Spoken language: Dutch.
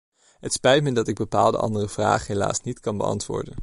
Het spijt me dat ik bepaalde andere vragen helaas niet kan beantwoorden.